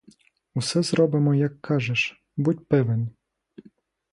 Усе зробимо, як кажеш, будь певен!